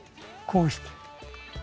こうして。